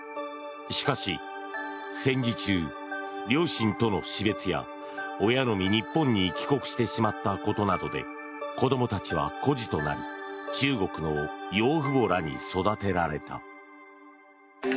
しかし戦時中、両親との死別や親のみ日本に帰国してしまったことなどで子供たちは孤児となり中国の養父母らに育てられた。